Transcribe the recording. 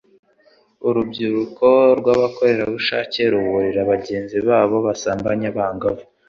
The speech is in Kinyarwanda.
urubyiruko rw'abakorerabushake ruburira bagenzi babo basambanya abangavu